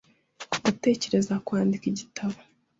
Ndatekereza kwandika igitabo .